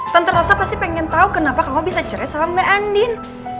tante rosa pasti pengen tahu kenapa kamu bisa cerai sama mbak andin